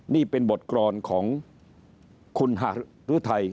นี่เป็นบทกรณ์ของคุณฮหรือไทย